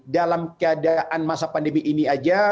dalam keadaan masa pandemi ini aja